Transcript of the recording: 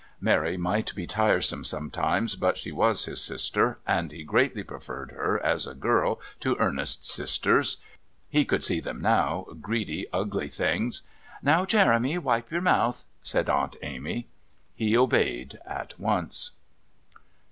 Mary might be tiresome sometimes, but she was his sister, and he greatly preferred her as a girl to Ernest's sisters. He could see them now, greedy, ugly things... "Now, Jeremy, wipe your mouth," said Aunt Amy. He obeyed at once.